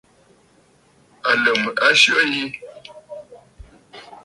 Àlə̀m a syə yi.